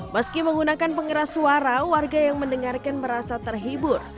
meski menggunakan pengeras suara warga yang mendengarkan merasa terhibur